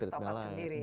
harus tokpat sendiri